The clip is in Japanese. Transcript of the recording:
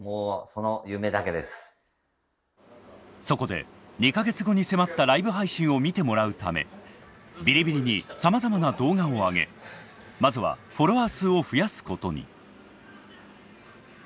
そこで２か月後に迫ったライブ配信を見てもらうためビリビリにさまざまな動画をあげまずはフォロワー数を増やすことに。